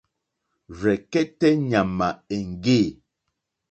Rzɛ̀kɛ́tɛ́ ɲàmà èŋɡê.